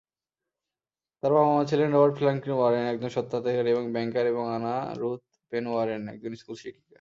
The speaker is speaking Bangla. তার বাবা-মা ছিলেন রবার্ট ফ্র্যাঙ্কলিন ওয়ারেন, একজন স্বত্বাধিকারী এবং ব্যাংকার এবং আনা রুথ পেন ওয়ারেন, একজন স্কুল শিক্ষিকা।